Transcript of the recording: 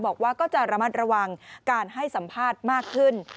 บอกว่าก็จะระมัดระวังการให้สัมภาษณ์มากขึ้น